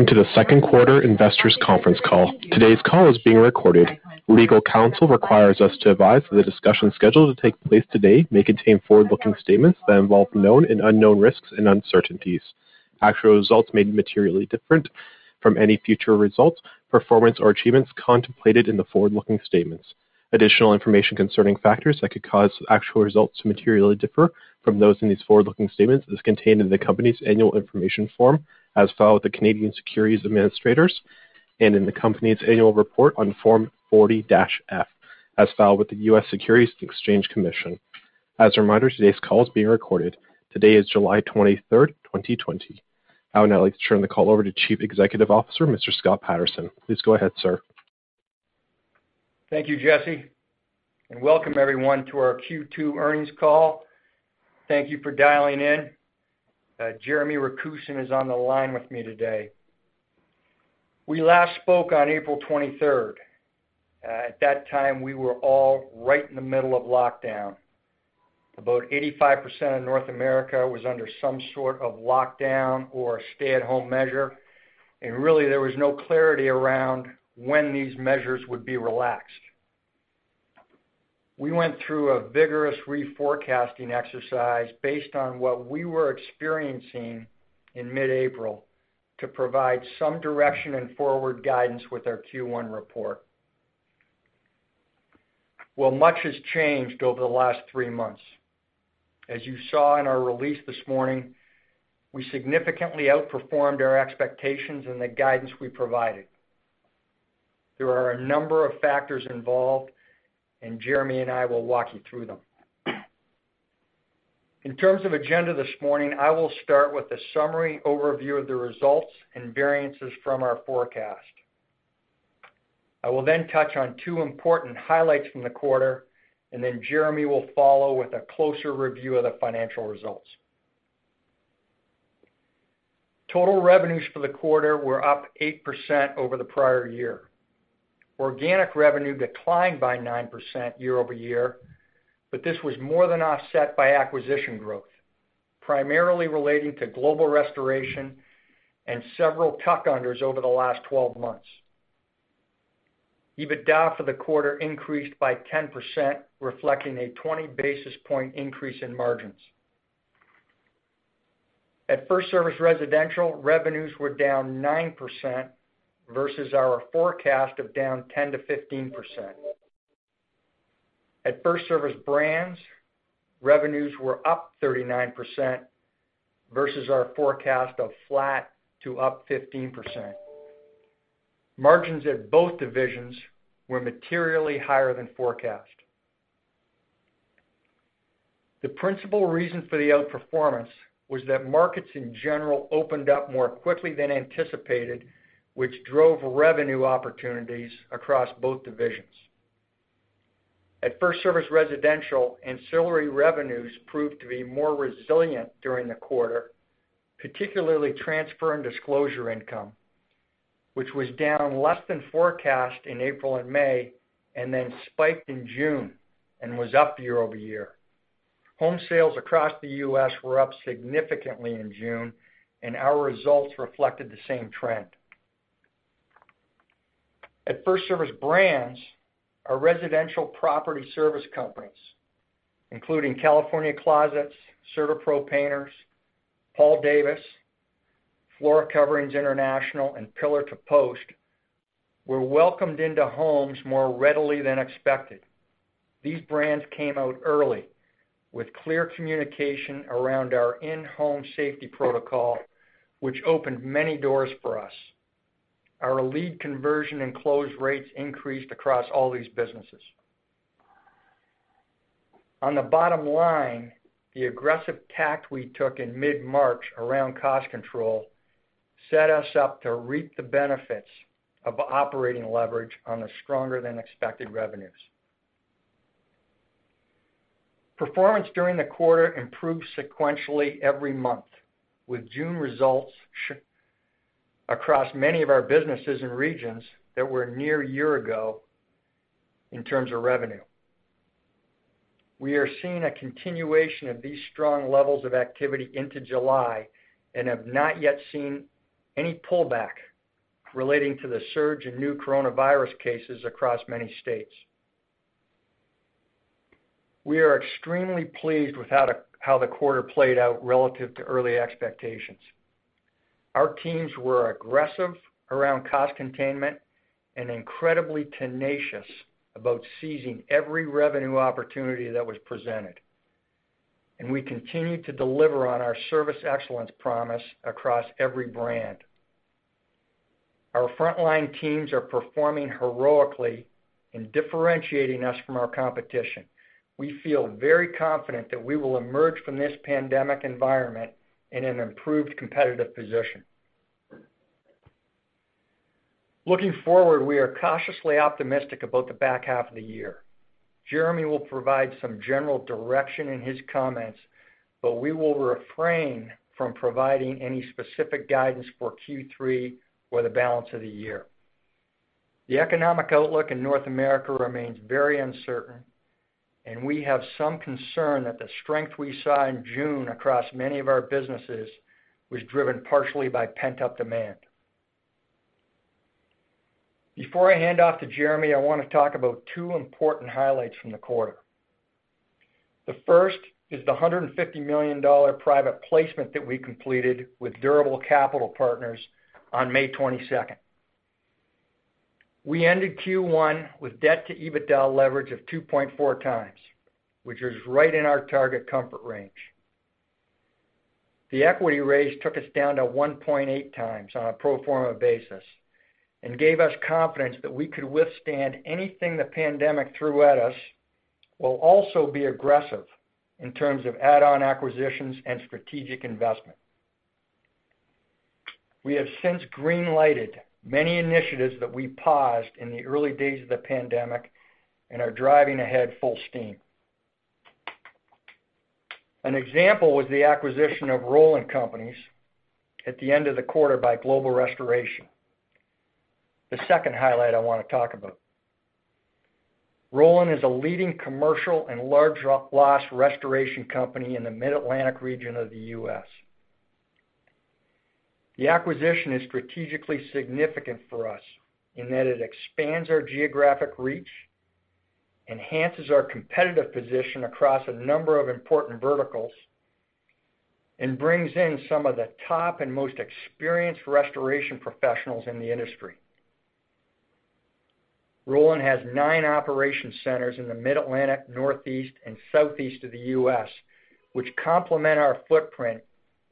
Welcome to the second quarter investors conference call. Today's call is being recorded. Legal counsel requires us to advise that the discussion scheduled to take place today may contain forward-looking statements that involve known and unknown risks and uncertainties. Actual results may be materially different from any future results, performance, or achievements contemplated in the forward-looking statements. Additional information concerning factors that could cause actual results to materially differ from those in these forward-looking statements is contained in the company's Annual Information Form, as filed with the Canadian Securities Administrators, and in the company's annual report on Form 40-F, as filed with the U.S. Securities and Exchange Commission. As a reminder, today's call is being recorded. Today is July 23rd, 2020. I would now like to turn the call over to Chief Executive Officer, Mr. Scott Patterson. Please go ahead, sir. Thank you, Jesse, and welcome everyone to our Q2 earnings call. Thank you for dialing in. Jeremy Rakusin is on the line with me today. We last spoke on April 23rd. At that time, we were all right in the middle of lockdown. About 85% of North America was under some sort of lockdown or stay-at-home measure, and really, there was no clarity around when these measures would be relaxed. We went through a vigorous reforecasting exercise based on what we were experiencing in mid-April to provide some direction and forward guidance with our Q1 report. Well, much has changed over the last three months. As you saw in our release this morning, we significantly outperformed our expectations and the guidance we provided. There are a number of factors involved, and Jeremy and I will walk you through them. In terms of agenda this morning, I will start with a summary overview of the results and variances from our forecast. I will then touch on two important highlights from the quarter, and then Jeremy will follow with a closer review of the financial results. Total revenues for the quarter were up 8% over the prior year. Organic revenue declined by 9% year-over-year, but this was more than offset by acquisition growth, primarily relating to global restoration and several tuck-unders over the last 12 months. EBITDA for the quarter increased by 10%, reflecting a 20 basis point increase in margins. At FirstService Residential, revenues were down 9% versus our forecast of down 10%-15%. At FirstService Brands, revenues were up 39% versus our forecast of flat to up 15%. Margins at both divisions were materially higher than forecast. The principal reason for the outperformance was that markets in general opened up more quickly than anticipated, which drove revenue opportunities across both divisions. At FirstService Residential, ancillary revenues proved to be more resilient during the quarter, particularly transfer and disclosure income, which was down less than forecast in April and May, and then spiked in June and was up year-over-year. Home sales across the U.S. were up significantly in June, and our results reflected the same trend. At FirstService Brands, our residential property service companies, including California Closets, CertaPro Painters, Paul Davis, Floor Coverings International, and Pillar To Post, were welcomed into homes more readily than expected. These brands came out early with clear communication around our in-home safety protocol, which opened many doors for us. Our lead conversion and close rates increased across all these businesses. On the bottom line, the aggressive tack we took in mid-March around cost control set us up to reap the benefits of operating leverage on the stronger-than-expected revenues. Performance during the quarter improved sequentially every month, with June results across many of our businesses and regions that were near year-ago in terms of revenue. We are seeing a continuation of these strong levels of activity into July and have not yet seen any pullback relating to the surge in new coronavirus cases across many states. We are extremely pleased with how the quarter played out relative to early expectations. Our teams were aggressive around cost containment and incredibly tenacious about seizing every revenue opportunity that was presented, and we continue to deliver on our service excellence promise across every brand. Our frontline teams are performing heroically in differentiating us from our competition. We feel very confident that we will emerge from this pandemic environment in an improved competitive position. Looking forward, we are cautiously optimistic about the back half of the year. Jeremy will provide some general direction in his comments, but we will refrain from providing any specific guidance for Q3 or the balance of the year. The economic outlook in North America remains very uncertain, and we have some concern that the strength we saw in June across many of our businesses was driven partially by pent-up demand. Before I hand off to Jeremy, I want to talk about two important highlights from the quarter. The first is the $150 million private placement that we completed with Durable Capital Partners on May 22. We ended Q1 with debt to EBITDA leverage of 2.4 times, which is right in our target comfort range. The equity raise took us down to 1.8 times on a pro forma basis, and gave us confidence that we could withstand anything the pandemic threw at us, while also be aggressive in terms of add-on acquisitions and strategic investment. We have since green lighted many initiatives that we paused in the early days of the pandemic and are driving ahead full steam. An example was the acquisition of Rolyn Companies at the end of the quarter by Global Restoration. The second highlight I want to talk about. Rolyn is a leading commercial and large loss restoration company in the Mid-Atlantic region of the U.S. The acquisition is strategically significant for us in that it expands our geographic reach, enhances our competitive position across a number of important verticals, and brings in some of the top and most experienced restoration professionals in the industry. Rolyn has nine operation centers in the Mid-Atlantic, Northeast, and Southeast of the US, which complement our footprint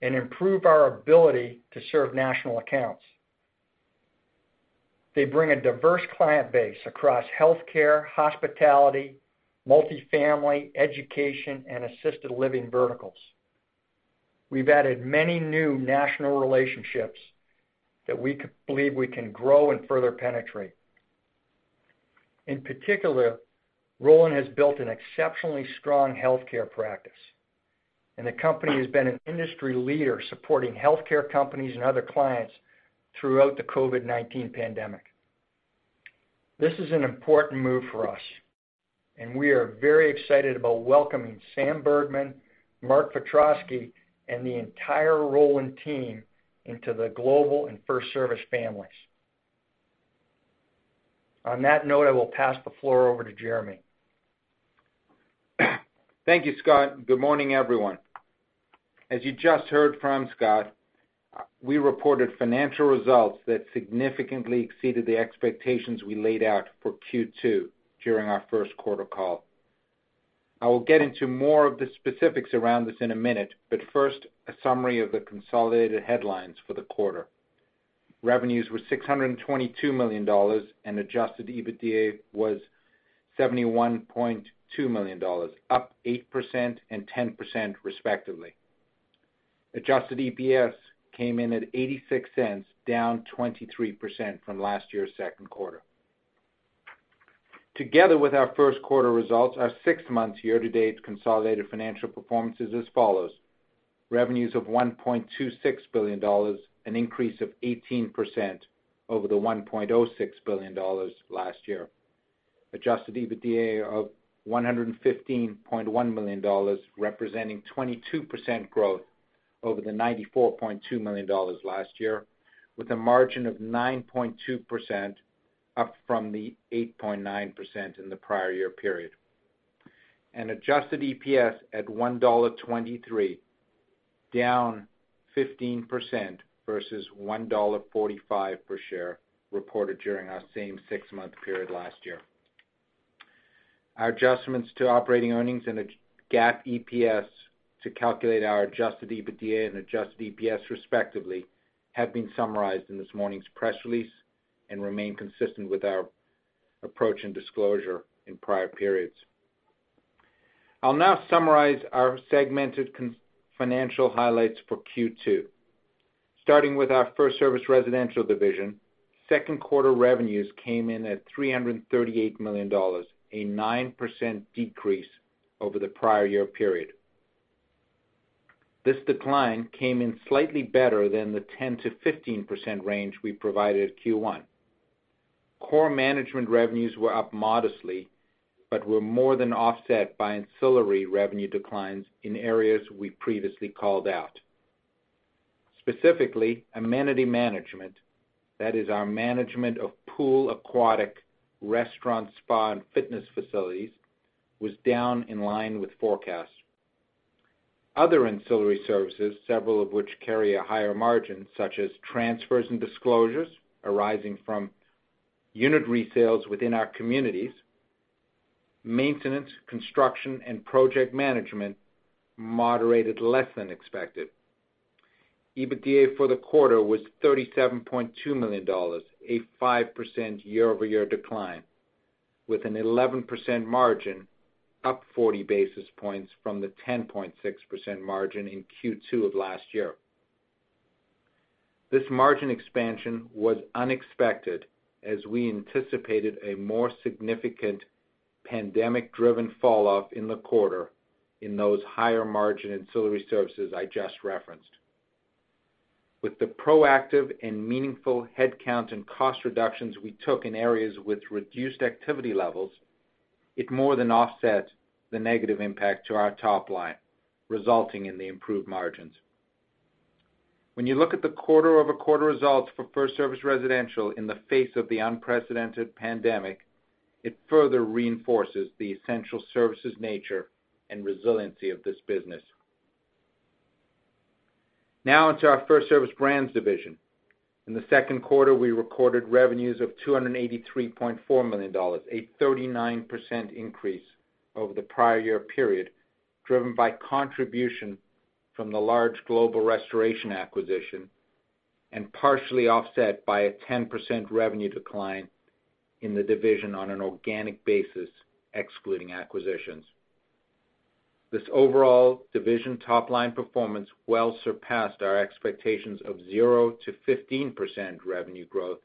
and improve our ability to serve national accounts. They bring a diverse client base across healthcare, hospitality, multifamily, education, and assisted living verticals. We've added many new national relationships that we believe we can grow and further penetrate. In particular, Rolyn has built an exceptionally strong healthcare practice, and the company has been an industry leader supporting healthcare companies and other clients throughout the COVID-19 pandemic. This is an important move for us, and we are very excited about welcoming Sam Bergman, Mark Petroski, and the entire Rolyn team into the Global and FirstService families. On that note, I will pass the floor over to Jeremy. Thank you, Scott. Good morning, everyone. As you just heard from Scott, we reported financial results that significantly exceeded the expectations we laid out for Q2 during our first quarter call. I will get into more of the specifics around this in a minute, but first, a summary of the consolidated headlines for the quarter. Revenues were $622 million, and adjusted EBITDA was $71.2 million, up 8% and 10% respectively. Adjusted EPS came in at $0.86, down 23% from last year's second quarter. Together with our first quarter results, our six months year-to-date consolidated financial performance is as follows: revenues of $1.26 billion, an increase of 18% over the $1.06 billion last year. Adjusted EBITDA of $115.1 million, representing 22% growth over the $94.2 million last year, with a margin of 9.2%, up from the 8.9% in the prior year period. Adjusted EPS at $1.23, down 15% versus $1.45 per share reported during our same six-month period last year. Our adjustments to operating earnings and the GAAP EPS to calculate our adjusted EBITDA and adjusted EPS, respectively, have been summarized in this morning's press release and remain consistent with our approach and disclosure in prior periods. I'll now summarize our segmented financial highlights for Q2. Starting with our FirstService Residential division, second quarter revenues came in at $338 million, a 9% decrease over the prior year period. This decline came in slightly better than the 10%-15% range we provided at Q1. Core management revenues were up modestly, but were more than offset by ancillary revenue declines in areas we previously called out. Specifically, amenity management, that is our management of pool, aquatic, restaurant, spa, and fitness facilities, was down in line with forecast. Other ancillary services, several of which carry a higher margin, such as transfers and disclosures arising from unit resales within our communities, maintenance, construction, and project management moderated less than expected. EBITDA for the quarter was $37.2 million, a 5% year-over-year decline, with an 11% margin, up 40 basis points from the 10.6% margin in Q2 of last year. This margin expansion was unexpected, as we anticipated a more significant pandemic-driven falloff in the quarter in those higher-margin ancillary services I just referenced. With the proactive and meaningful headcount and cost reductions we took in areas with reduced activity levels, it more than offsets the negative impact to our top line, resulting in the improved margins. When you look at the quarter-over-quarter results for FirstService Residential in the face of the unprecedented pandemic, it further reinforces the essential services nature and resiliency of this business. Now, onto our FirstService Brands division. In the second quarter, we recorded revenues of $283.4 million, a 39% increase over the prior year period, driven by contribution from the large global restoration acquisition, and partially offset by a 10% revenue decline in the division on an organic basis, excluding acquisitions. This overall division top line performance well surpassed our expectations of 0%-15% revenue growth,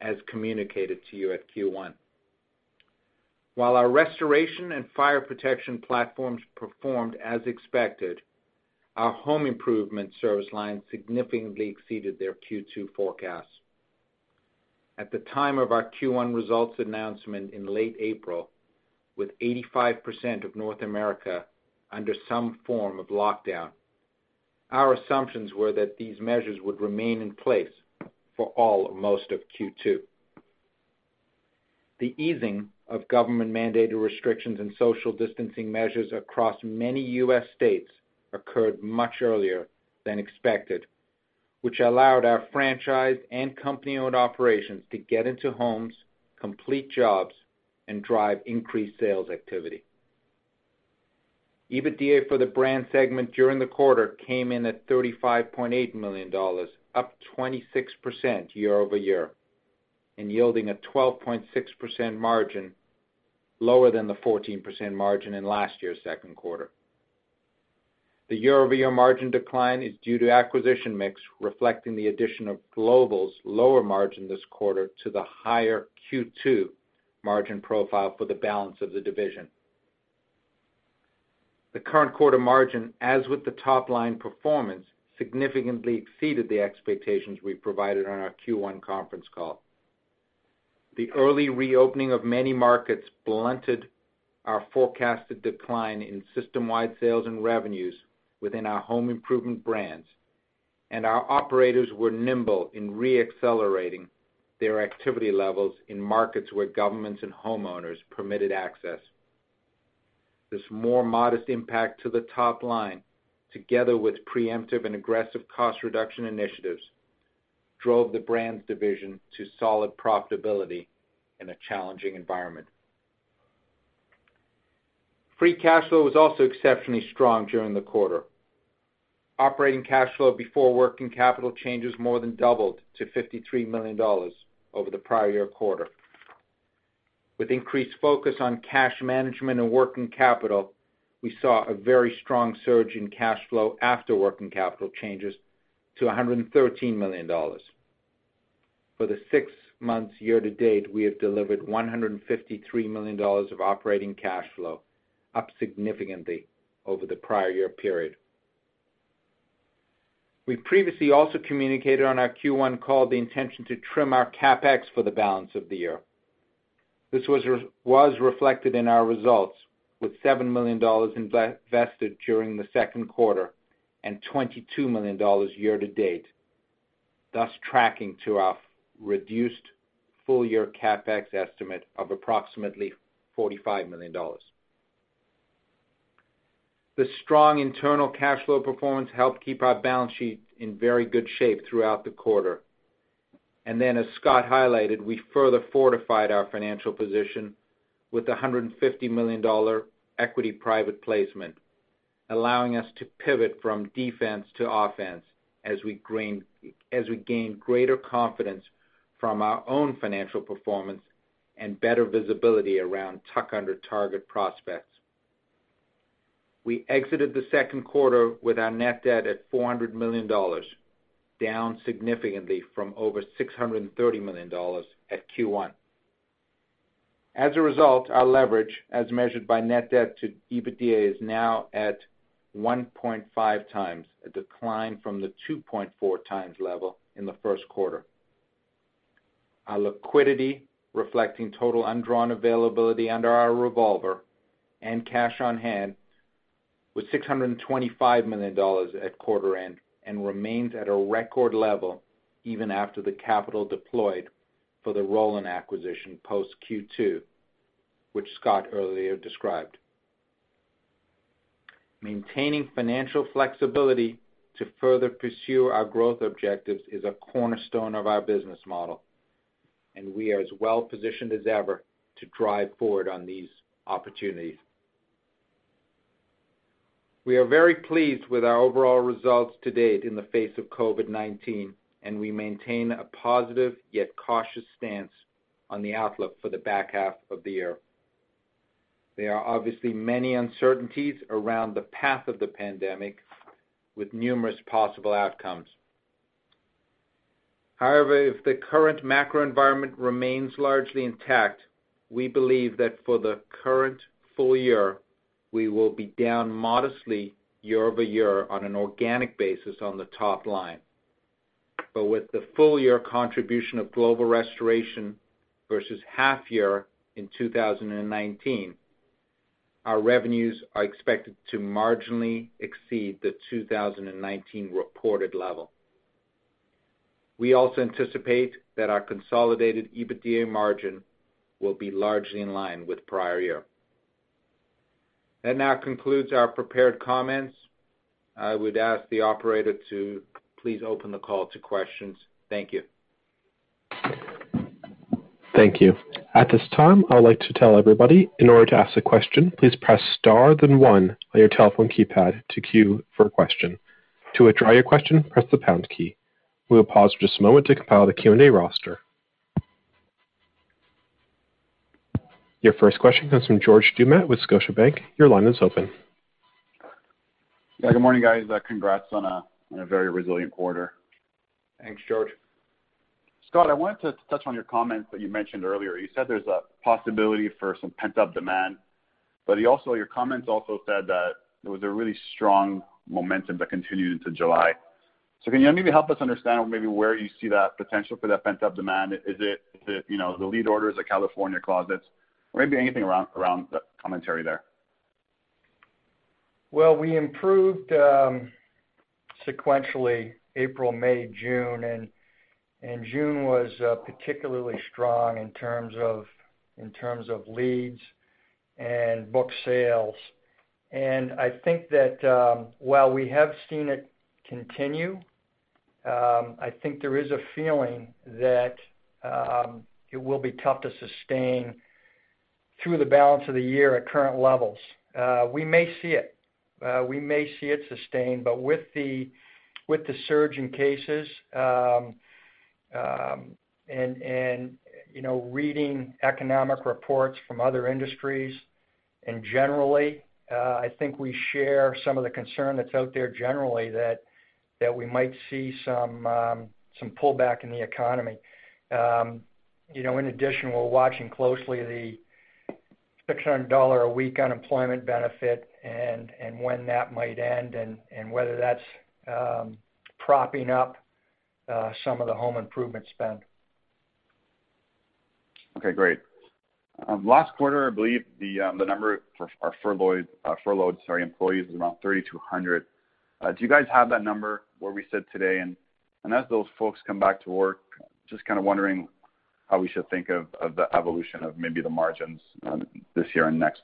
as communicated to you at Q1. While our restoration and fire protection platforms performed as expected, our home improvement service line significantly exceeded their Q2 forecast. At the time of our Q1 results announcement in late April, with 85% of North America under some form of lockdown, our assumptions were that these measures would remain in place for all or most of Q2. The easing of government-mandated restrictions and social distancing measures across many US states occurred much earlier than expected, which allowed our franchise and company-owned operations to get into homes, complete jobs, and drive increased sales activity. EBITDA for the brand segment during the quarter came in at $35.8 million, up 26% year-over-year, and yielding a 12.6% margin, lower than the 14% margin in last year's second quarter. The year-over-year margin decline is due to acquisition mix, reflecting the addition of Global's lower margin this quarter to the higher Q2 margin profile for the balance of the division. The current quarter margin, as with the top-line performance, significantly exceeded the expectations we provided on our Q1 conference call. The early reopening of many markets blunted our forecasted decline in system-wide sales and revenues within our home improvement brands, and our operators were nimble in re-accelerating their activity levels in markets where governments and homeowners permitted access. This more modest impact to the top line, together with preemptive and aggressive cost reduction initiatives, drove the brands division to solid profitability in a challenging environment. Free cash flow was also exceptionally strong during the quarter. Operating cash flow before working capital changes more than doubled to $53 million over the prior-year quarter. With increased focus on cash management and working capital, we saw a very strong surge in cash flow after working capital changes to $113 million. For the six months year to date, we have delivered $153 million of operating cash flow, up significantly over the prior year period. We previously also communicated on our Q1 call the intention to trim our CapEx for the balance of the year. This was reflected in our results, with $7 million invested during the second quarter and $22 million year to date, thus tracking to our reduced full-year CapEx estimate of approximately $45 million. The strong internal cash flow performance helped keep our balance sheet in very good shape throughout the quarter. And then, as Scott highlighted, we further fortified our financial position with a $150 million equity private placement, allowing us to pivot from defense to offense as we gain greater confidence from our own financial performance and better visibility around tuck-under target prospects. We exited the second quarter with our net debt at $400 million, down significantly from over $630 million at Q1. As a result, our leverage, as measured by net debt to EBITDA, is now at 1.5 times, a decline from the 2.4 times level in the first quarter. Our liquidity, reflecting total undrawn availability under our revolver and cash on hand, was $625 million at quarter end and remains at a record level even after the capital deployed for the Rolyn acquisition post Q2, which Scott earlier described. Maintaining financial flexibility to further pursue our growth objectives is a cornerstone of our business model, and we are as well positioned as ever to drive forward on these opportunities. We are very pleased with our overall results to date in the face of COVID-19, and we maintain a positive, yet cautious stance on the outlook for the back half of the year. There are obviously many uncertainties around the path of the pandemic, with numerous possible outcomes... However, if the current macro environment remains largely intact, we believe that for the current full year, we will be down modestly year-over-year on an organic basis on the top line. But with the full year contribution of Global Restoration versus half year in 2019, our revenues are expected to marginally exceed the 2019 reported level. We also anticipate that our consolidated EBITDA margin will be largely in line with prior year. That now concludes our prepared comments. I would ask the operator to please open the call to questions. Thank you. Thank you. At this time, I would like to tell everybody, in order to ask a question, please press Star, then one on your telephone keypad to queue for a question. To withdraw your question, press the pound key. We will pause for just a moment to compile the Q&A roster. Your first question comes from George Doumet with Scotiabank. Your line is open. Yeah, good morning, guys. Congrats on a very resilient quarter. Thanks, George. Scott, I wanted to touch on your comments that you mentioned earlier. You said there's a possibility for some pent-up demand, but you also, your comments also said that there was a really strong momentum that continued into July. So can you maybe help us understand maybe where you see that potential for that pent-up demand? Is it, is it, you know, the lead orders at California Closets? Or maybe anything around, around the commentary there. Well, we improved sequentially, April, May, June, and June was particularly strong in terms of leads and book sales. And I think that, while we have seen it continue, I think there is a feeling that it will be tough to sustain through the balance of the year at current levels. We may see it sustained, but with the surge in cases, and you know, reading economic reports from other industries, and generally, I think we share some of the concern that's out there generally, that we might see some pullback in the economy. You know, in addition, we're watching closely the $600 a week unemployment benefit and when that might end and whether that's propping up some of the home improvement spend. Okay, great. Last quarter, I believe the number for our furlough, furloughed, sorry, employees, is around 3,200. Do you guys have that number where we sit today? And as those folks come back to work, just kind of wondering how we should think of the evolution of maybe the margins, this year and next.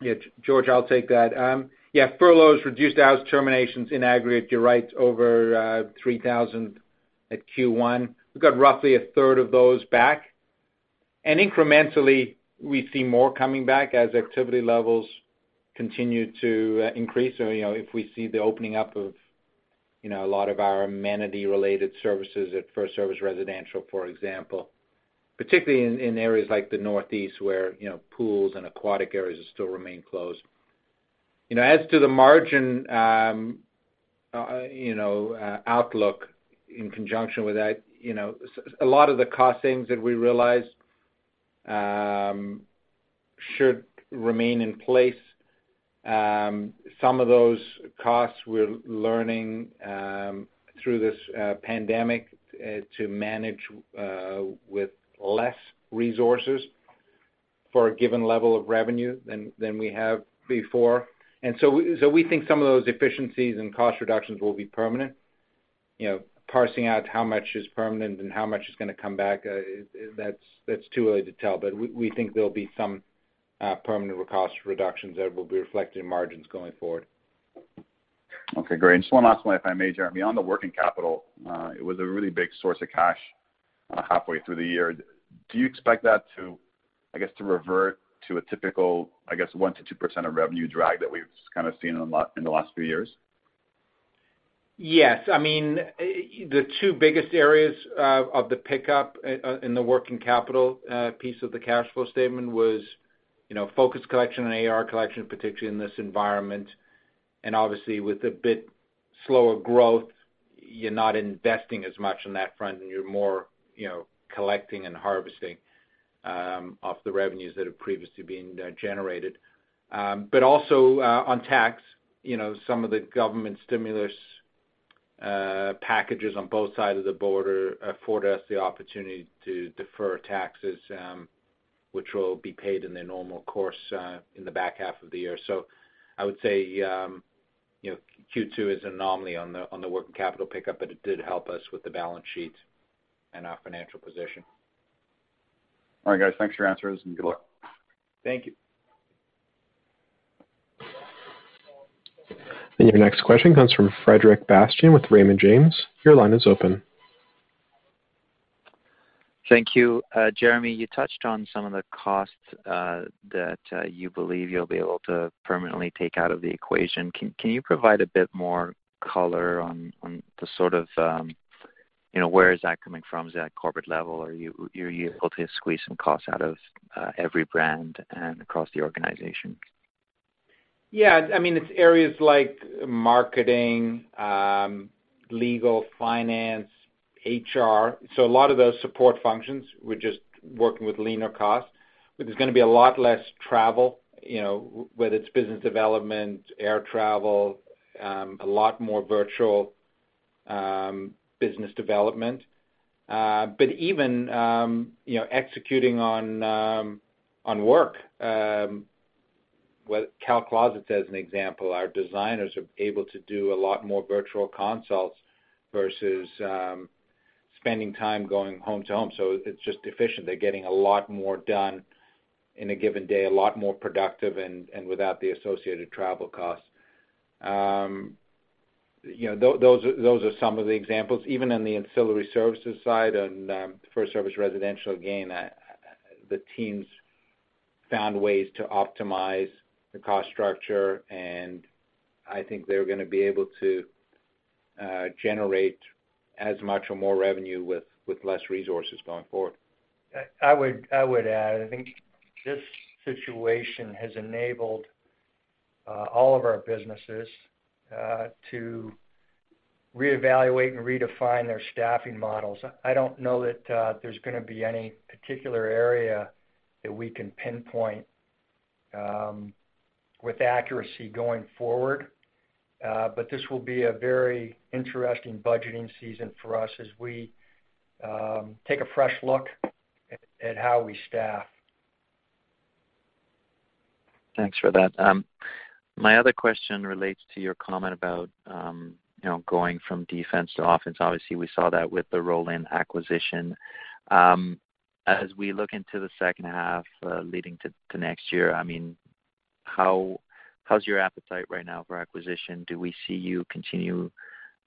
Yeah, George, I'll take that. Yeah, furloughs, reduced hours, terminations in aggregate, you're right, over 3,000 at Q1. We've got roughly a third of those back. And incrementally, we see more coming back as activity levels continue to increase. So, you know, if we see the opening up of, you know, a lot of our amenity-related services at FirstService Residential, for example, particularly in areas like the Northeast, where, you know, pools and aquatic areas still remain closed. You know, as to the margin outlook in conjunction with that, you know, a lot of the cost savings that we realized should remain in place. Some of those costs we're learning through this pandemic to manage with less resources for a given level of revenue than we have before. So we think some of those efficiencies and cost reductions will be permanent. You know, parsing out how much is permanent and how much is gonna come back, that's too early to tell, but we think there'll be some permanent cost reductions that will be reflected in margins going forward. Okay, great. Just one last one, if I may, Jeremy. Beyond the working capital, it was a really big source of cash halfway through the year. Do you expect that to, I guess, to revert to a typical, I guess, 1%-2% of revenue drag that we've kind of seen in the last few years? Yes. I mean, the two biggest areas of the pickup in the working capital piece of the cash flow statement was, you know, focus collection and AR collection, particularly in this environment. And obviously, with a bit slower growth, you're not investing as much on that front, and you're more, you know, collecting and harvesting off the revenues that have previously been generated. But also, on tax, you know, some of the government stimulus packages on both sides of the border afford us the opportunity to defer taxes, which will be paid in their normal course, in the back half of the year. So I would say, you know, Q2 is an anomaly on the working capital pickup, but it did help us with the balance sheet and our financial position. All right, guys. Thanks for your answers, and good luck. Thank you. Your next question comes from Frederic Bastien with Raymond James. Your line is open. Thank you. Jeremy, you touched on some of the costs that you believe you'll be able to permanently take out of the equation. Can you provide a bit more color on the sort of, you know, where is that coming from? Is it at corporate level, or you're able to squeeze some costs out of every brand and across the organization?... Yeah, I mean, it's areas like marketing, legal, finance, HR. So a lot of those support functions, we're just working with leaner costs. But there's gonna be a lot less travel, you know, whether it's business development, air travel, a lot more virtual business development. But even, you know, executing on work with California Closets, as an example, our designers are able to do a lot more virtual consults versus spending time going home to home. So it's just efficient. They're getting a lot more done in a given day, a lot more productive and without the associated travel costs. You know, those, those are some of the examples. Even in the ancillary services side and FirstService Residential, again, the teams found ways to optimize the cost structure, and I think they're gonna be able to generate as much or more revenue with less resources going forward. I would add, I think this situation has enabled all of our businesses to reevaluate and redefine their staffing models. I don't know that there's gonna be any particular area that we can pinpoint with accuracy going forward, but this will be a very interesting budgeting season for us as we take a fresh look at how we staff. Thanks for that. My other question relates to your comment about, you know, going from defense to offense. Obviously, we saw that with the Rolyn acquisition. As we look into the second half, leading to next year, I mean, how's your appetite right now for acquisition? Do we see you continue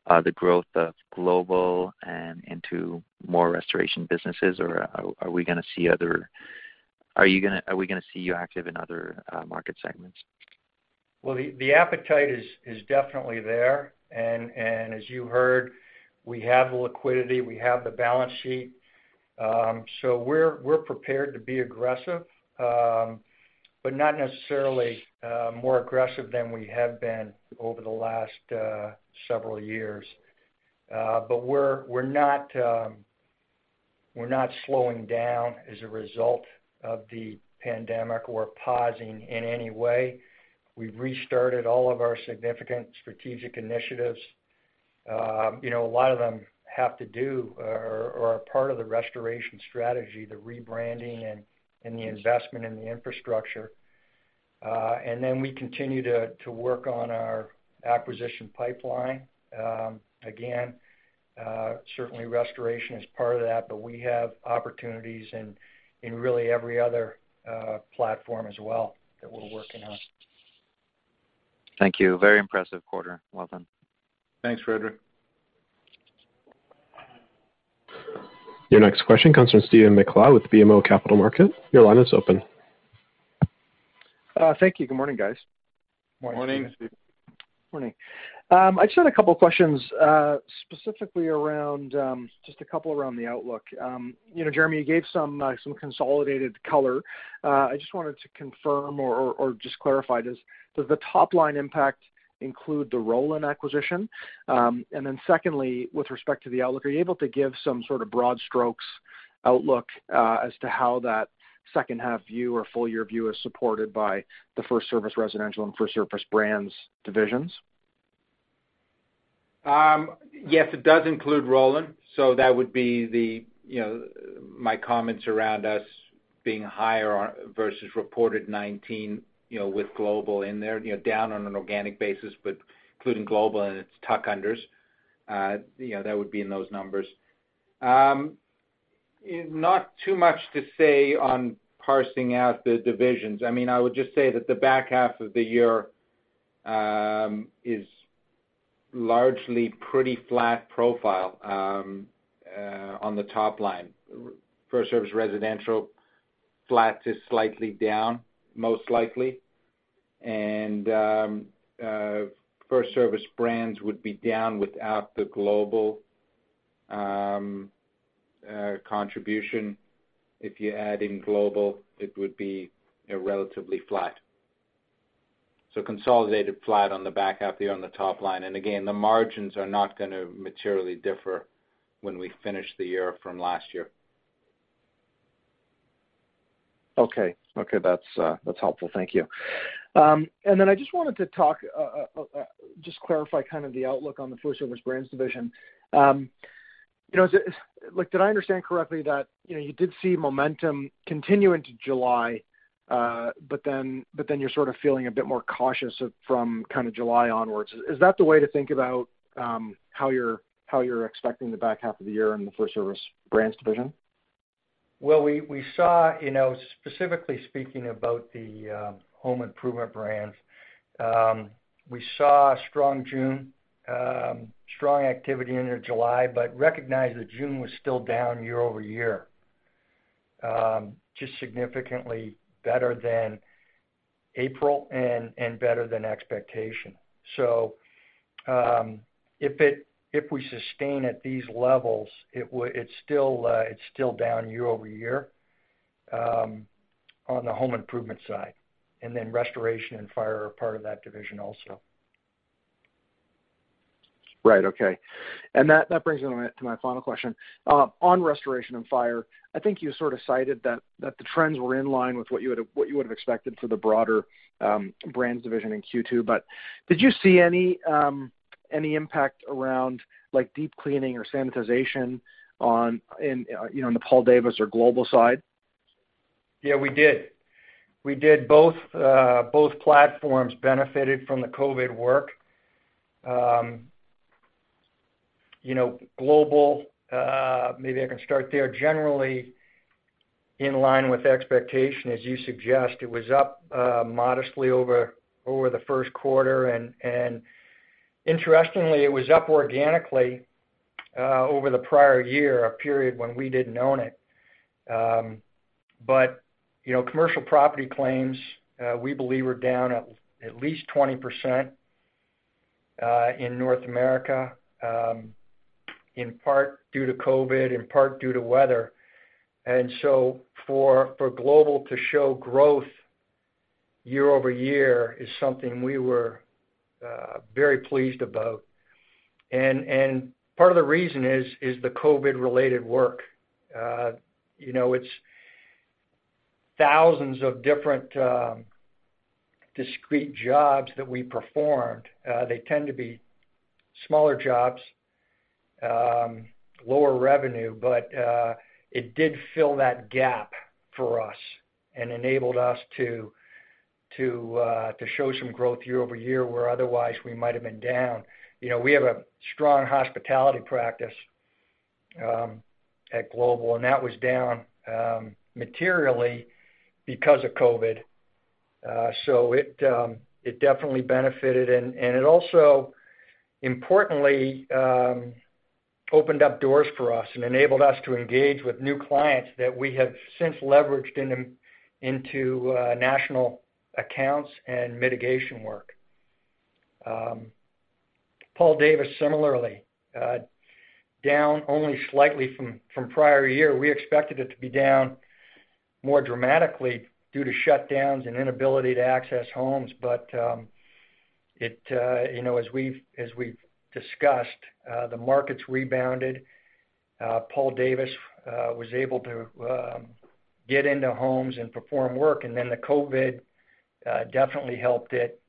the growth of global and into more restoration businesses, or are we gonna see other, are you gonna, are we gonna see you active in other market segments? Well, the appetite is definitely there, and as you heard, we have the liquidity, we have the balance sheet. So we're prepared to be aggressive, but not necessarily more aggressive than we have been over the last several years. But we're not slowing down as a result of the pandemic or pausing in any way. We've restarted all of our significant strategic initiatives. You know, a lot of them have to do, or are part of the restoration strategy, the rebranding and the investment in the infrastructure. And then we continue to work on our acquisition pipeline. Again, certainly restoration is part of that, but we have opportunities in really every other platform as well that we're working on. Thank you. Very impressive quarter. Well done. Thanks, Frederick. Your next question comes from Stephen MacLeod with BMO Capital Markets. Your line is open. Thank you. Good morning, guys. Morning. Morning. Morning. I just had a couple questions, specifically around, just a couple around the outlook. You know, Jeremy, you gave some, some consolidated color. I just wanted to confirm or just clarify this. Does the top line impact include the Rolyn acquisition? And then secondly, with respect to the outlook, are you able to give some sort of broad strokes outlook, as to how that second half view or full year view is supported by the FirstService Residential and FirstService Brands divisions? Yes, it does include Rolyn, so that would be the, you know, my comments around us being higher on versus reported 2019, you know, with Global in there, you know, down on an organic basis, but including Global and its tuck unders, you know, that would be in those numbers. Not too much to say on parsing out the divisions. I mean, I would just say that the back half of the year is largely pretty flat profile on the top line. FirstService Residential, flat to slightly down, most likely. FirstService Brands would be down without the Global contribution. If you add in Global, it would be, you know, relatively flat. Consolidated flat on the back half of the year on the top line. And again, the margins are not gonna materially differ when we finish the year from last year. Okay. Okay, that's, that's helpful. Thank you. And then I just wanted to talk, just clarify kind of the outlook on the FirstService Brands division. You know, is it-- look, did I understand correctly that, you know, you did see momentum continue into July, but then, but then you're sort of feeling a bit more cautious of, from kind of July onwards? Is that the way to think about, how you're expecting the back half of the year in the FirstService Brands division? Well, we saw, you know, specifically speaking about the home improvement brands, we saw strong June, strong activity into July, but recognize that June was still down year-over-year. Just significantly better than April and better than expectation. So, if we sustain at these levels, it's still down year-over-year on the home improvement side, and then restoration and fire are part of that division also. Right, okay. That brings me to my final question. On restoration and fire, I think you sort of cited that the trends were in line with what you would have expected for the broader brands division in Q2. But did you see any impact around like deep cleaning or sanitization in, you know, in the Paul Davis or Global side? Yeah, we did. We did. Both platforms benefited from the COVID work. You know, Global, maybe I can start there. Generally, in line with expectation, as you suggest, it was up modestly over the first quarter. And interestingly, it was up organically over the prior year, a period when we didn't own it. But you know, commercial property claims, we believe were down at least 20% in North America, in part due to COVID, in part due to weather. And so for Global to show growth year-over-year is something we were very pleased about. And part of the reason is the COVID-related work. You know, it's thousands of different discrete jobs that we performed. They tend to be smaller jobs, lower revenue, but it did fill that gap for us and enabled us to show some growth year-over-year, where otherwise we might have been down. You know, we have a strong hospitality practice at Global, and that was down materially because of COVID. So it definitely benefited, and it also importantly opened up doors for us and enabled us to engage with new clients that we have since leveraged into national accounts and mitigation work. Paul Davis, similarly, down only slightly from prior year. We expected it to be down more dramatically due to shutdowns and inability to access homes. But you know, as we've discussed, the markets rebounded. Paul Davis was able to get into homes and perform work, and then the COVID definitely helped it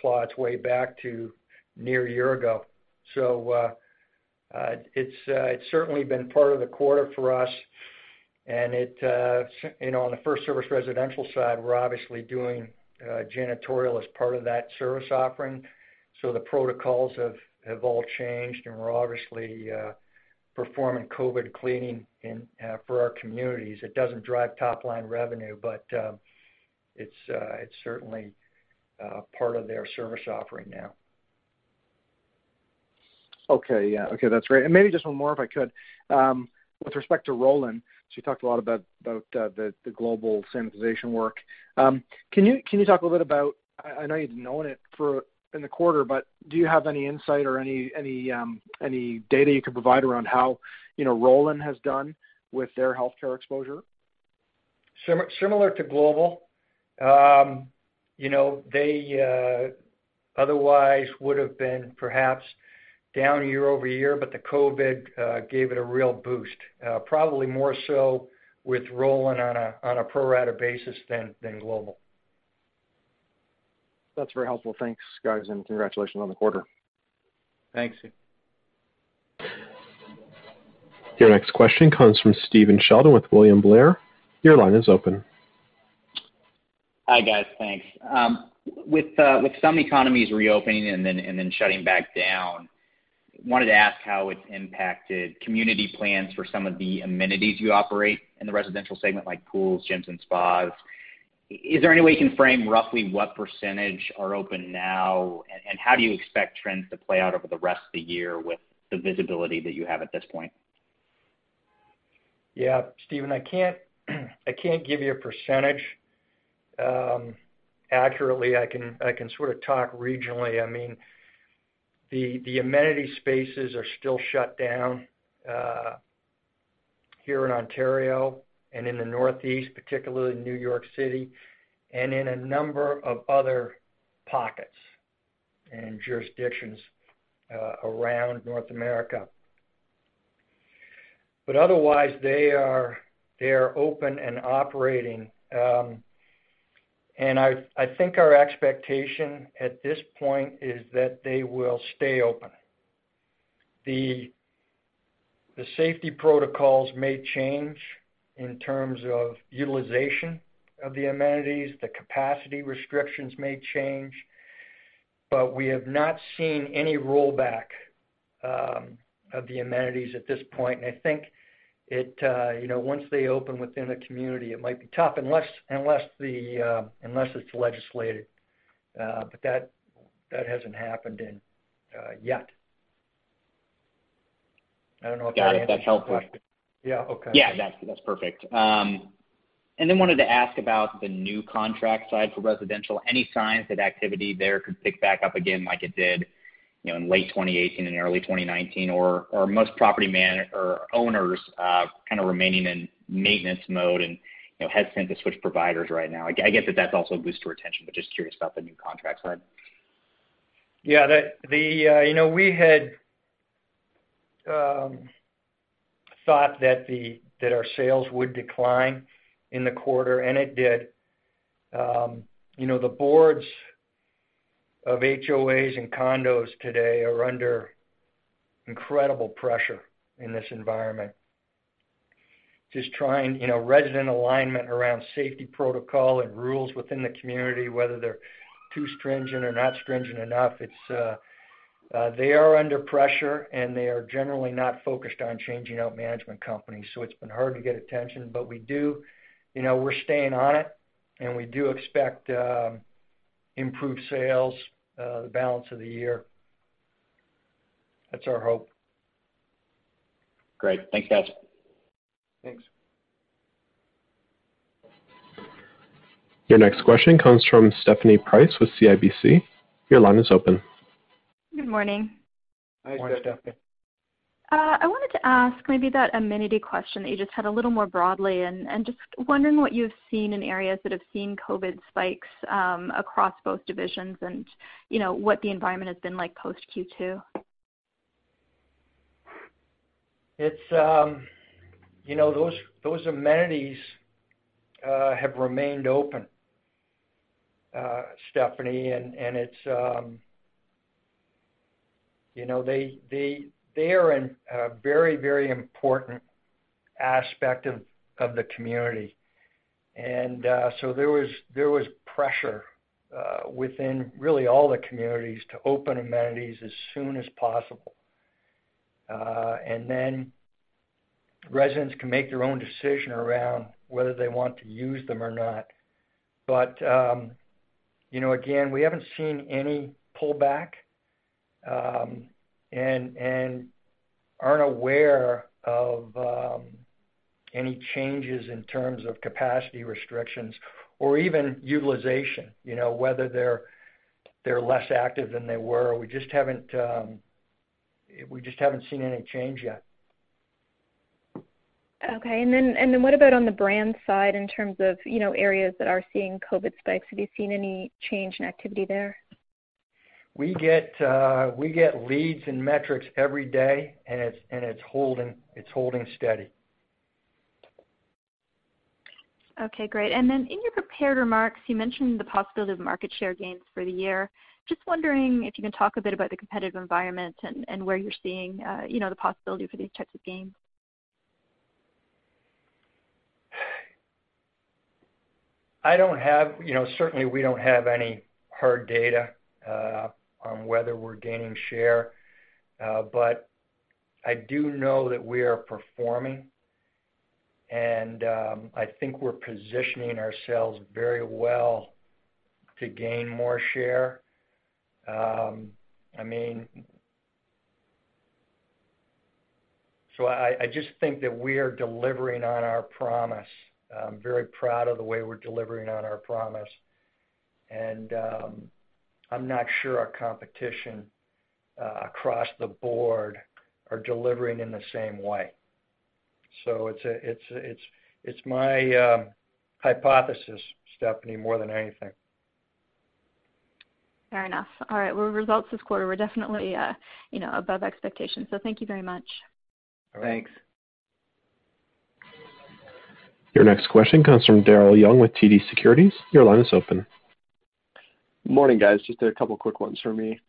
claw its way back to near a year ago. So, it's certainly been part of the quarter for us, and it, you know, on the FirstService Residential side, we're obviously doing janitorial as part of that service offering. So the protocols have all changed, and we're obviously performing COVID cleaning in for our communities. It doesn't drive top line revenue, but, it's certainly part of their service offering now. Okay. Yeah. Okay, that's great. And maybe just one more, if I could. With respect to Rolyn, so you talked a lot about the Global sanitization work. Can you talk a little bit about, I know you've known it for in the quarter, but do you have any insight or any data you could provide around how, you know, Rolyn has done with their healthcare exposure? Similar to Global, you know, they otherwise would have been perhaps down year-over-year, but the COVID gave it a real boost, probably more so with Rolyn on a pro rata basis than Global. That's very helpful. Thanks, guys, and congratulations on the quarter. Thanks. Your next question comes from Stephen Sheldon with William Blair. Your line is open. Hi, guys. Thanks. With some economies reopening and then shutting back down, wanted to ask how it's impacted community plans for some of the amenities you operate in the residential segment, like pools, gyms, and spas. Is there any way you can frame roughly what percentage are open now, and how do you expect trends to play out over the rest of the year with the visibility that you have at this point? Yeah, Stephen, I can't give you a percentage accurately. I can sort of talk regionally. I mean, the amenity spaces are still shut down here in Ontario and in the Northeast, particularly in New York City and in a number of other pockets and jurisdictions around North America. But otherwise, they are open and operating. And I think our expectation at this point is that they will stay open. The safety protocols may change in terms of utilization of the amenities. The capacity restrictions may change, but we have not seen any rollback of the amenities at this point. And I think it, you know, once they open within the community, it might be tough unless it's legislated. But that hasn't happened yet. I don't know if that answers your question. Got it. That's helpful. Yeah. Okay. Yeah, that's perfect. And then wanted to ask about the new contract side for residential. Any signs that activity there could pick back up again, like it did, you know, in late 2018 and early 2019, or most property managers or owners kind of remaining in maintenance mode and, you know, hesitant to switch providers right now? I guess that's also a boost to retention, but just curious about the new contract side. Yeah, the you know, we had thought that our sales would decline in the quarter, and it did. You know, the boards of HOAs and condos today are under incredible pressure in this environment. Just trying, you know, resident alignment around safety protocol and rules within the community, whether they're too stringent or not stringent enough, it's they are under pressure, and they are generally not focused on changing out management companies. So it's been hard to get attention, but we do... You know, we're staying on it, and we do expect improved sales the balance of the year. That's our hope. Great. Thanks, guys. Thanks. Your next question comes from Stephanie Price with CIBC. Your line is open. Good morning. Hi, Stephanie. I wanted to ask maybe that amenity question that you just had a little more broadly, and just wondering what you've seen in areas that have seen COVID spikes, across both divisions and, you know, what the environment has been like post Q2? It's, you know, those amenities, Stephanie, and it's, you know, they are in a very, very important aspect of the community. And so there was pressure within really all the communities to open amenities as soon as possible. And then residents can make their own decision around whether they want to use them or not. But, you know, again, we haven't seen any pullback, and aren't aware of any changes in terms of capacity restrictions or even utilization, you know, whether they're less active than they were. We just haven't seen any change yet. Okay. And then what about on the brand side, in terms of, you know, areas that are seeing COVID spikes? Have you seen any change in activity there? We get, we get leads and metrics every day, and it's, and it's holding, it's holding steady. Okay, great. And then in your prepared remarks, you mentioned the possibility of market share gains for the year. Just wondering if you can talk a bit about the competitive environment and where you're seeing, you know, the possibility for these types of gains? I don't have. You know, certainly we don't have any hard data on whether we're gaining share, but I do know that we are performing, and I think we're positioning ourselves very well to gain more share. I mean, so I, I just think that we are delivering on our promise. I'm very proud of the way we're delivering on our promise, and I'm not sure our competition across the board are delivering in the same way. So it's my hypothesis, Stephanie, more than anything. Fair enough. All right, well, results this quarter were definitely, you know, above expectations, so thank you very much. Thanks. Your next question comes from Daryl Young with TD Securities. Your line is open. Morning, guys. Just a couple quick ones for me.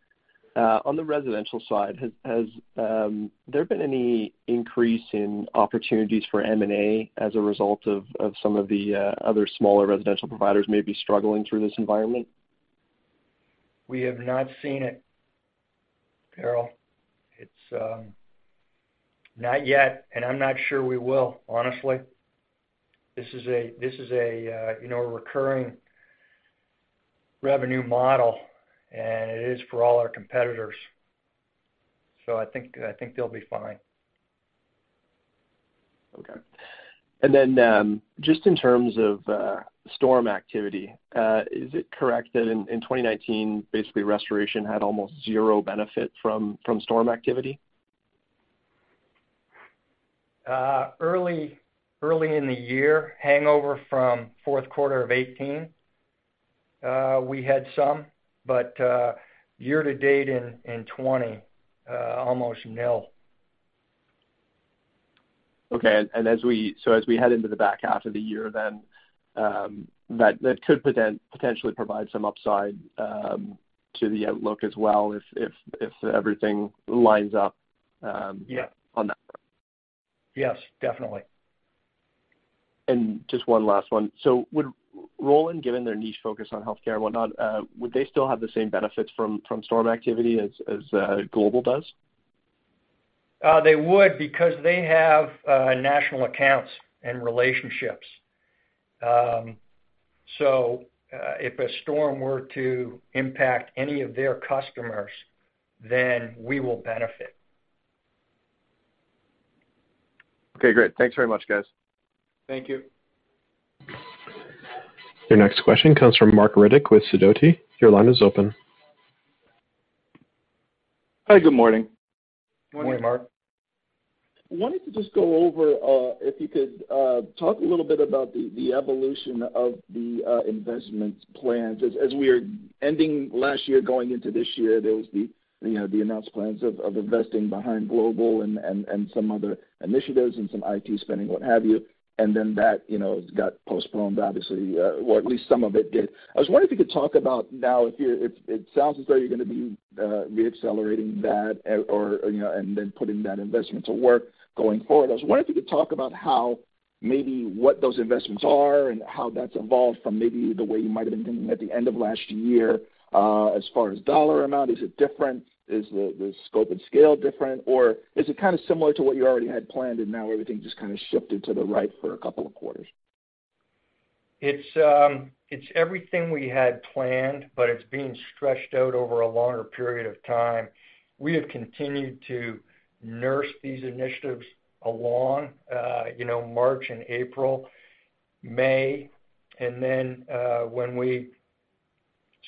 On the residential side, has there been any increase in opportunities for M&A as a result of some of the other smaller residential providers maybe struggling through this environment? We have not seen it, Daryl. It's not yet, and I'm not sure we will, honestly. This is a, this is a, you know, a recurring revenue model, and it is for all our competitors. So I think, I think they'll be fine. Okay. And then, just in terms of storm activity, is it correct that in 2019, basically restoration had almost zero benefit from storm activity? Early, early in the year, hangover from fourth quarter of 2018, we had some, but year to date in, in 2020, almost nil. Okay. And as we head into the back half of the year, then, that could potentially provide some upside to the outlook as well, if everything lines up. Yeah... on that front. Yes, definitely. Just one last one. Would Rolyn, given their niche focus on healthcare and whatnot, still have the same benefits from storm activity as Global does? They would, because they have national accounts and relationships. So, if a storm were to impact any of their customers, then we will benefit. Okay, great. Thanks very much, guys. Thank you. Your next question comes from Marc Riddick with Sidoti. Your line is open. Hi, good morning. Good morning, Mark. I wanted to just go over, if you could, talk a little bit about the evolution of the investment plans. As we are ending last year, going into this year, there was the, you know, the announced plans of investing behind global and some other initiatives and some IT spending, what have you. And then that, you know, got postponed, obviously, or at least some of it did. I was wondering if you could talk about now, it sounds as though you're gonna be reaccelerating that, or, you know, and then putting that investment to work going forward. I was wondering if you could talk about how maybe what those investments are and how that's evolved from maybe the way you might have been thinking at the end of last year, as far as dollar amount, is it different? Is the scope and scale different, or is it kind of similar to what you already had planned, and now everything just kind of shifted to the right for a couple of quarters? It's, it's everything we had planned, but it's being stretched out over a longer period of time. We have continued to nurse these initiatives along, you know, March and April, May, and then, when we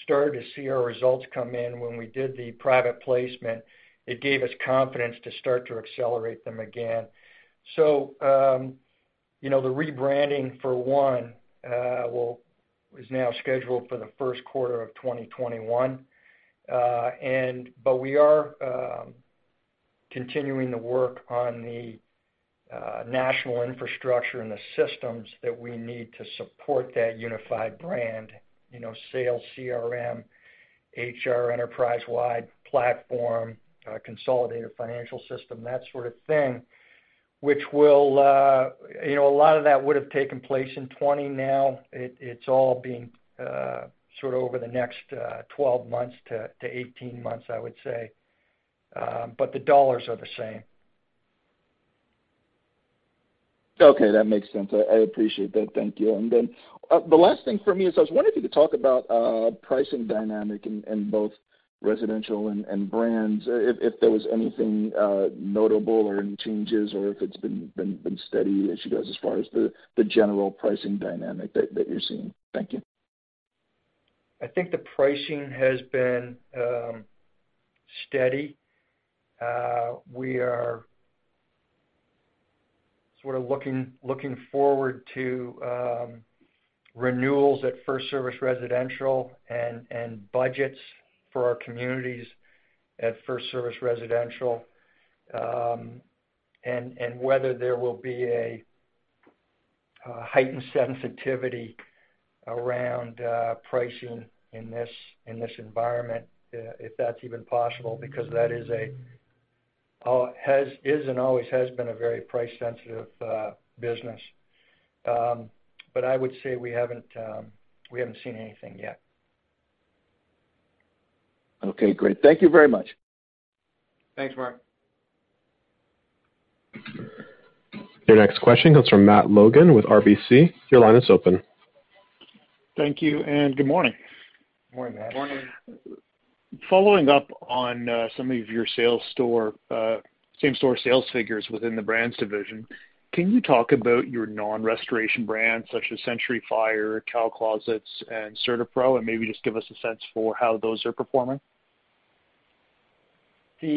started to see our results come in, when we did the private placement, it gave us confidence to start to accelerate them again. So, you know, the rebranding for one, is now scheduled for the first quarter of 2021. And but we are continuing to work on the national infrastructure and the systems that we need to support that unified brand, you know, sales, CRM, HR, enterprise-wide platform, consolidated financial system, that sort of thing, which will, you know, a lot of that would have taken place in 2020. Now, it's all being sort of over the next 12-18 months, I would say. But the dollars are the same. Okay, that makes sense. I appreciate that. Thank you. And then the last thing for me is I was wondering if you could talk about pricing dynamic in both residential and brands, if there was anything notable or any changes or if it's been steady as you go as far as the general pricing dynamic that you're seeing. Thank you. I think the pricing has been steady. We are sort of looking forward to renewals at FirstService Residential and budgets for our communities at FirstService Residential. And whether there will be a heightened sensitivity around pricing in this environment, if that's even possible, because that is and always has been a very price-sensitive business. But I would say we haven't seen anything yet. Okay, great. Thank you very much. Thanks, Mark. Your next question comes from Matt Logan with RBC. Your line is open. Thank you, and good morning. Morning, Matt. Morning. Following up on some of your same-store sales figures within the brands division, can you talk about your non-restoration brands, such as Century Fire, California Closets, and CertaPro, and maybe just give us a sense for how those are performing? The,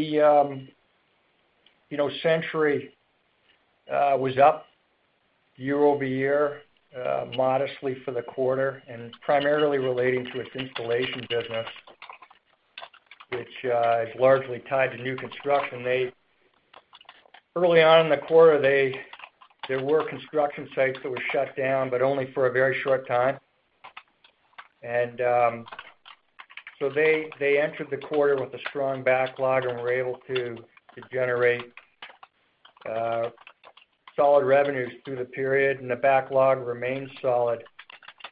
you know, Century was up year-over-year modestly for the quarter, and primarily relating to its installation business, which is largely tied to new construction. Early on in the quarter, there were construction sites that were shut down, but only for a very short time. And so they entered the quarter with a strong backlog and were able to generate solid revenues through the period, and the backlog remains solid.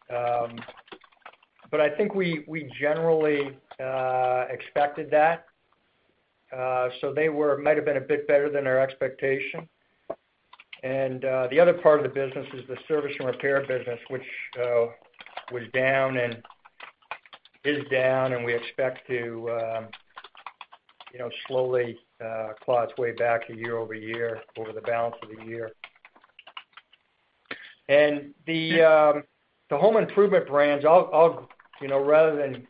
But I think we generally expected that. So they might have been a bit better than our expectation. And the other part of the business is the service and repair business, which was down and is down, and we expect to, you know, slowly claw its way back to year-over-year over the balance of the year. The home improvement brands, I'll... You know, rather than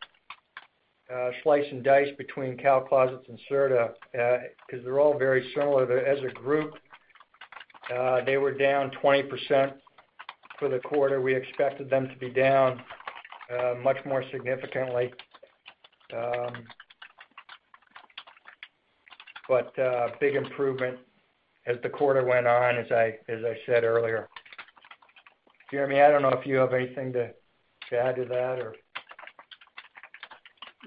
slice and dice between California Closets and CertaPro Painters, 'cause they're all very similar. But as a group, they were down 20% for the quarter. We expected them to be down much more significantly. But big improvement as the quarter went on, as I said earlier. Jeremy, I don't know if you have anything to add to that or?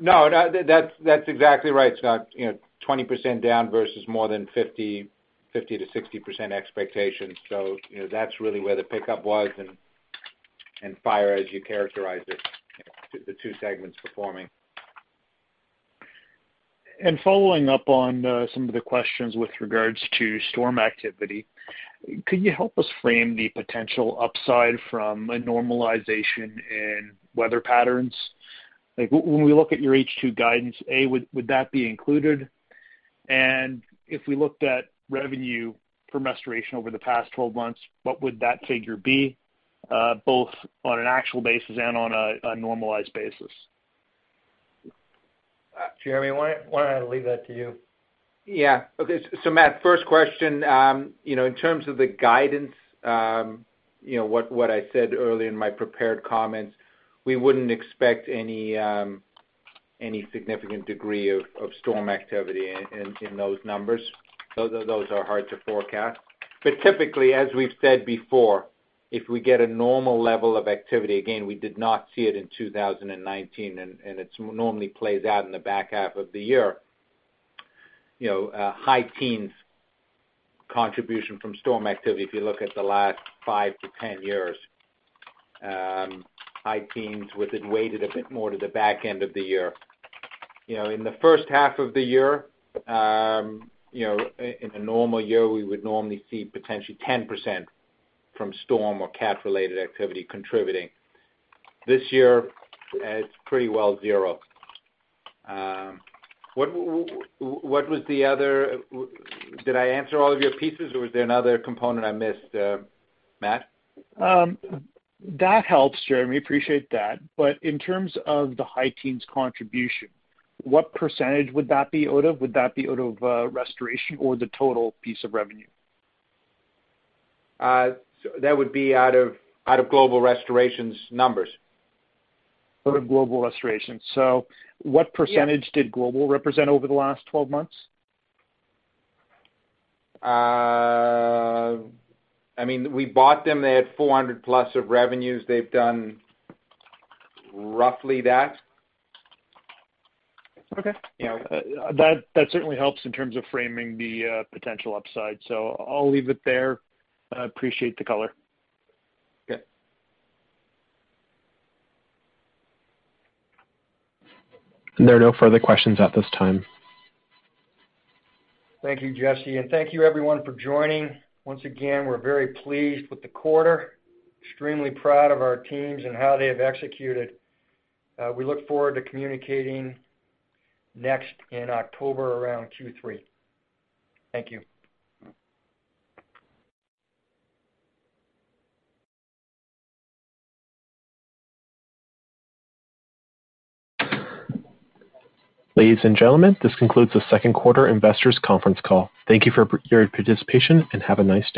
No, no, that's, that's exactly right, Scott. You know, 20% down versus more than 50, 50 to 60% expectation. So, you know, that's really where the pickup was and, and fire, as you characterize it, the two segments performing. Following up on some of the questions with regards to storm activity, could you help us frame the potential upside from a normalization in weather patterns? Like, when we look at your H2 guidance, would that be included? And if we looked at revenue from restoration over the past 12 months, what would that figure be, both on an actual basis and on a normalized basis? Jeremy, why don't I leave that to you? Yeah. Okay, so Matt, first question, you know, in terms of the guidance, you know, what I said earlier in my prepared comments, we wouldn't expect any significant degree of storm activity in those numbers. Those are hard to forecast. But typically, as we've said before, if we get a normal level of activity, again, we did not see it in 2019, and it's normally plays out in the back half of the year. You know, high teens contribution from storm activity, if you look at the last five to 10 years. High teens with it weighted a bit more to the back end of the year. You know, in the first half of the year, you know, in a normal year, we would normally see potentially 10% from storm or cat-related activity contributing. This year, it's pretty well zero. What did I answer all of your pieces, or was there another component I missed, Matt? That helps, Jeremy, appreciate that. But in terms of the high teens contribution, what percentage would that be out of? Would that be out of restoration or the total piece of revenue? So that would be out of Global Restoration's numbers. Out of global restorations. So what percentage- Yeah... did Global represent over the last twelve months? I mean, we bought them, they had $400+ of revenues. They've done roughly that. Okay. Yeah. That certainly helps in terms of framing the potential upside. So I'll leave it there. I appreciate the color. Okay. There are no further questions at this time. Thank you, Jesse, and thank you everyone for joining. Once again, we're very pleased with the quarter, extremely proud of our teams and how they have executed. We look forward to communicating next in October, around Q3. Thank you. Ladies and gentlemen, this concludes the second quarter investors conference call. Thank you for your participation, and have a nice day.